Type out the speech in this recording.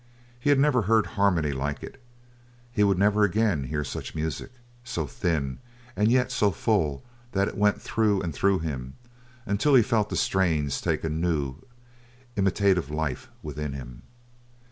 He had never heard harmony like it. He would never again hear such music, so thin and yet so full that it went through and through him, until he felt the strains take a new, imitative life within him.